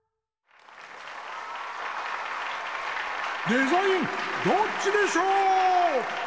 「デザインどっちでショー」！